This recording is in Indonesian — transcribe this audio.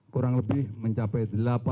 kurang lebih mencapai